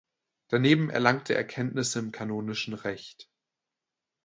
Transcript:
Daneben erlangte er Kenntnisse im kanonischen Recht.